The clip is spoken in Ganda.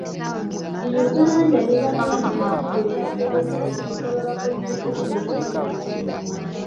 Uganda ne banywanyi baayo be bategese olukiiko lw’abakulembeze b’enzikiriza.